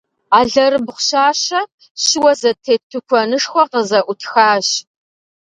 Алэрыбгъу щащэ, щыуэ зэтет тыкуэнышхуэ къызэӏутхащ.